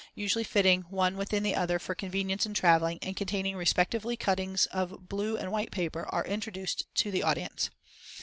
usually fitting one within the other for convenience in traveling, and containing respectively cuttings of blue and white paper, are introduced to the audience.